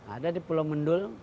ada di pulau mendul